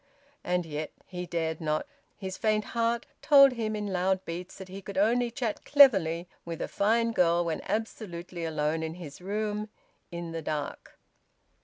And yet he dared not; his faint heart told him in loud beats that he could only chat cleverly with a fine girl when absolutely alone in his room, in the dark.